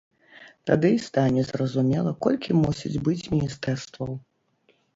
Тады і стане зразумела, колькі мусіць быць міністэрстваў.